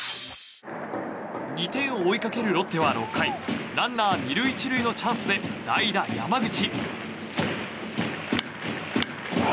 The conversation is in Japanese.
２点を追いかけるロッテは６回ランナー２塁１塁のチャンスで代打、山口。